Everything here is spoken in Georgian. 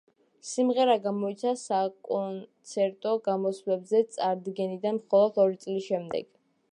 სიმღერა გამოიცა საკონცერტო გამოსვლებზე წარდგენიდან მხოლოდ ორი წლის შემდეგ.